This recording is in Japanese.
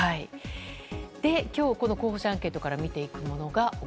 今日、候補者アンケートから見ていくのが。